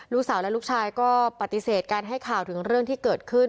ลูกสาวและลูกชายก็ปฏิเสธการให้ข่าวถึงเรื่องที่เกิดขึ้น